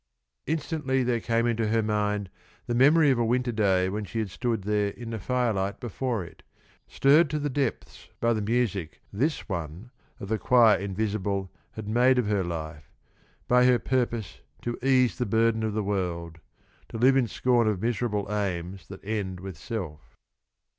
Instantly there came into her mind the memory of a winter day when she had stood there in the firelight before it, stirred to the depths by the music this one of "the choir invisible" had made of her life, by her purpose to "ease the burden of the world" "to live in scorn of miserable aims that end with self."